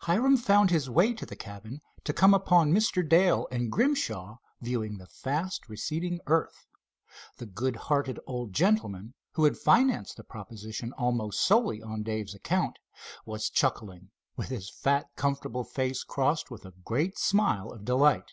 Hiram found his way to the cabin, to come upon Mr. Dale and Grimshaw viewing the fast receding earth. The good hearted old gentleman, who had financed the proposition almost solely on Dave's account, was chuckling, with his fat comfortable face crossed with a great smile of delight.